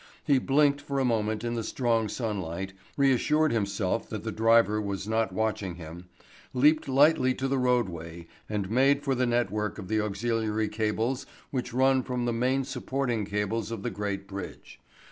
He blinked for a moment in the strong sunlight, reassured himself that the driver was not watching him, leaped lightly to the roadway and made for the network of auxiliary cables which run from the main supporting cables of the great bridge.